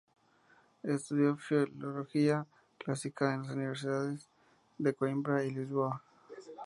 Estudió Filología clásica en las Universidades de Coimbra y de Lisboa.